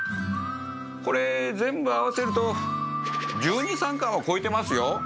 これ全部合わせると１２１３貫は超えてますよ。